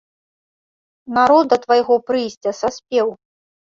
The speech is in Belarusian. Народ да твайго прыйсця саспеў.